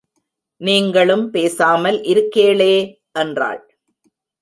நீங்களும் பேசாமல் இருக்கேளே? என்றாள்.